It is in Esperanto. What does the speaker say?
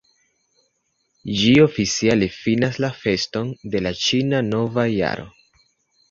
Ĝi oficiale finas la feston de la Ĉina Nova Jaro.